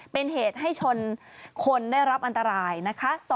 เป็นเหตุให้ชนคนได้รับอันตรายนะคะ